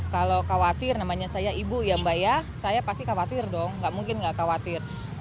kalau khawatir namanya saya ibu ya mbak ya saya pasti khawatir dong nggak mungkin nggak khawatir